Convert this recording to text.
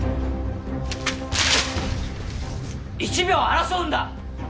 １秒を争うんだ！